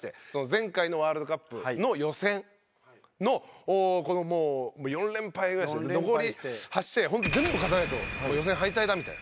前回のワールドカップの予選のもう４連敗ぐらいして残り８試合全部勝たないともう予選敗退だみたいな。